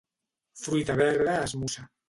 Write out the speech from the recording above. Fruita verda esmussa.